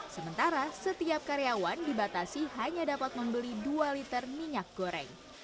sementara setiap karyawan dibatasi hanya dapat membeli dua liter minyak goreng